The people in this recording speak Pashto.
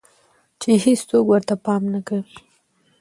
چې هيڅوک ورته پام نۀ کوي